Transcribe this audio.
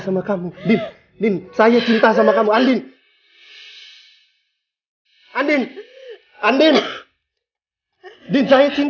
aku ingin tanyakan